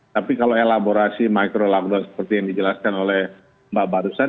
tapi kalau elaborasi micro lockdown seperti yang dijelaskan oleh mbak barusan